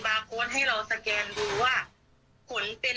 พาน้องลงไปก่อนลูก